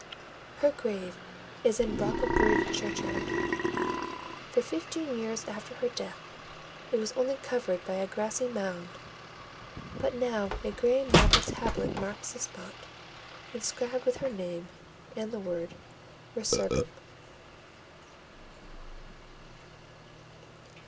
Her grave is in Brocklebridge churchyard: for fifteen years after her death it was only covered by a grassy mound; but now a grey marble tablet marks the spot, inscribed with her name, and the word "Resurgam."